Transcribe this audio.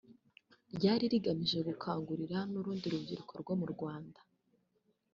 ryari rigamije gukangurira n’urundi rubyiruko rwo mu Rwanda